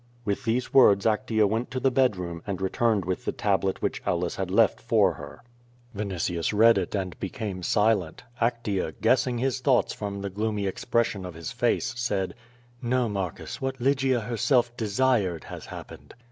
With these words Actea went to the bed room and returned with the tablet which Aulus had left for her. Vinitius read it and became silent. Actea, guessing his thoughts from the gloomy expression of his face, said: ^^No, Marcus, what Lygia herself desired, has happened."